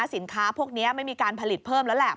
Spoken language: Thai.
สินค้าพวกนี้ไม่มีการผลิตเพิ่มแล้วแหละ